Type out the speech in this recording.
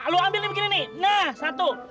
lo ambil nih begini nih nah satu